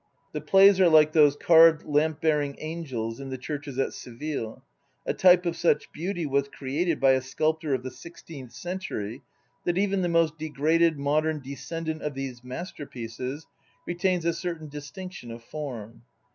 The plays are like those carved lamp bearing angels in the churches at Seville; a type of such beauty was created by a sculptor of the sixteenth century that even the most degraded modern descendant of these masterpieces retains a certain distinction of form.